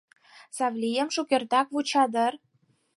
Савлием шукертак вуча дыр.